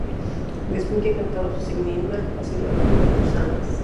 La Esfinge cantaba sus enigmas, así lo afirma Pausanias.